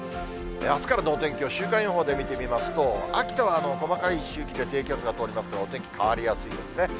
あすからのお天気を週間予報で見てみますと、秋田は細かい周期で低気圧が通りますから、お天気変わりやすいんですね。